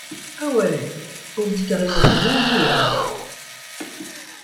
Ah ouais, on se dit carrément plus bonjour, alors !